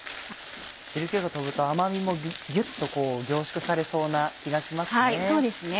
汁気が飛ぶと甘みもぎゅっと凝縮されそうな気がしますね。